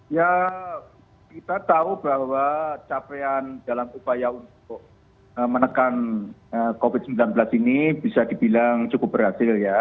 ya kita tahu bahwa capaian dalam upaya untuk menekan covid sembilan belas ini bisa dibilang cukup berhasil ya